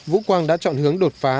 vũ quang đã chọn hướng đột phá